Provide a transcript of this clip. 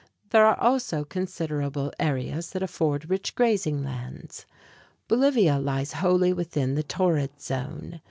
There are also considerable areas that afford rich grazing lands. Bolivia lies wholly within the torrid zone.